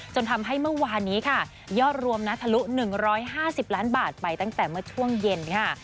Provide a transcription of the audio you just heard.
จนทำให้เมื่อวานนี้ค่ะยอดรวมนะทะลุ๑๕๐ล้านบาทไปตั้งแต่เมื่อช่วงเย็นค่ะ